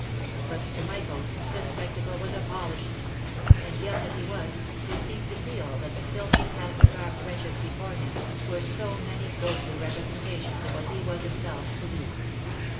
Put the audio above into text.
But to Michael, the spectacle was appalling; and, young as he was, he seemed to feel that the filthy, half starved wretches before him, were so many ghostly representations of what he was himself to be.